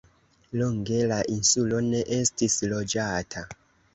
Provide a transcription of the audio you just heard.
Longe la insulo ne estis loĝata.